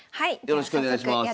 よろしくお願いします。